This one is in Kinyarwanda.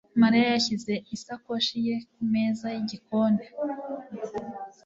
Mariya yashyize isakoshi ye kumeza yigikoni.